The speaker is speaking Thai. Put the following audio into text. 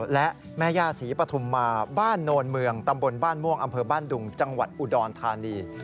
และแม่ย่าศรีปฐุมมาบ้านโนนเมืองตำบลบ้านม่วงอำเภอบ้านดุงจังหวัดอุดรธานี